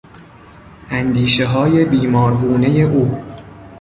اندیشههای بیمارگونهی او